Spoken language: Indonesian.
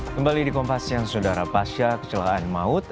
kembali di kompasian saudara pasca kecelakaan maut